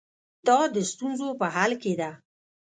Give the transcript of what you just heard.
دا د ستونزو په حل کې ده.